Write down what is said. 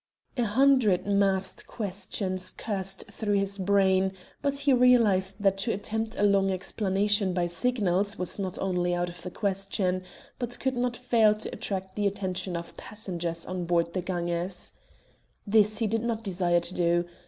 A hundred mad questions coursed through his brain, but he realized that to attempt a long explanation by signals was not only out of the question, but could not fail to attract the attention of passengers on board the Ganges. This he did not desire to do.